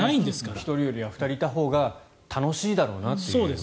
１人よりは２人いたほうが楽しいだろうなという。